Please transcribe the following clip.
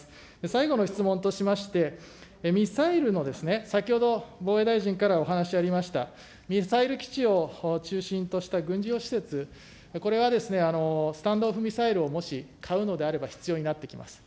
最後の質問としまして、ミサイルのですね、先ほど防衛大臣からお話ありました、ミサイル基地を中心とした軍事用施設、これはですね、スタンド・オフ・ミサイルをもし買うのであれば必要になってきます。